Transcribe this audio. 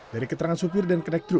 dari keterangan supir dan konektru